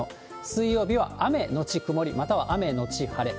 水曜日は雨後曇り、または雨後晴れ。